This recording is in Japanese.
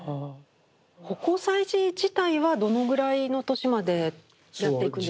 葆光彩磁自体はどのぐらいの年までやっていくんですか？